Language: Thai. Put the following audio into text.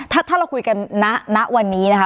ถ้าเราคุยกันณวันนี้นะคะ